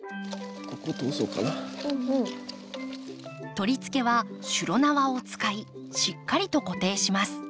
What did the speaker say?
取り付けはしゅろ縄を使いしっかりと固定します。